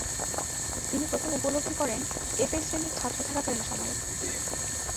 তিনি প্রথম উপলব্ধি করেন এফএ শ্রেণীর ছাত্র থাকাকালীন সময়ে।